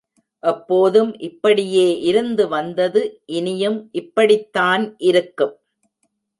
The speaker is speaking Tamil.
எப்போதும் இப்படியே இருந்து வந்தது இனியும் இப்படித்தான் இருக்கும்.